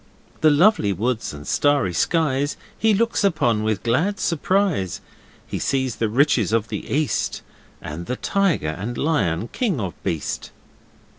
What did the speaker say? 'The lovely woods and starry skies He looks upon with glad surprise! He sees the riches of the east, And the tiger and lion, kings of beast.